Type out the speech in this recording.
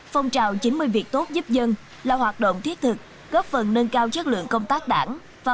phong trào chín mươi việc tốt giúp dân là hoạt động thiết thực góp phần nâng cao chất lượng công tác đảng và